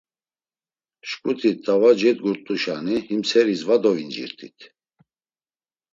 Şǩuti t̆ava cedgurt̆aşani him seris var dovincirt̆it.